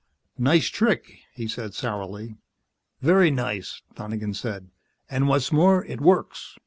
"Nice trick," he said sourly. "Very nice," Donegan said. "And what's more, it works.